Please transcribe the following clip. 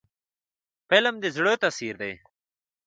فلم د زړه تاثیر دی